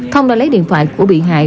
thông đã lấy điện thoại của bị hại